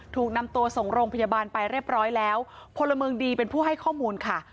ถูกนำตัวส่งโรงพยาบาลไปเรียบร้อยแล้วพลเมืองดีเป็นผู้ให้ข้อมูลค่ะ